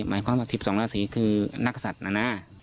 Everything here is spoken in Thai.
หมายความว่า๑๒ราศีคือนักศัตริย์นะนะ